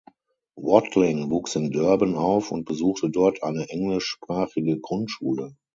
Watling wuchs in Durban auf und besuchte dort eine englischsprachige Grundschule.